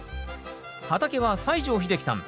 畑は西城秀樹さん